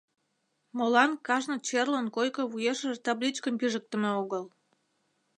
— Молан кажне черлын койко вуешыже табличкым пижыктыме огыл?